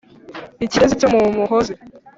ikirezi cyo mu muhozi.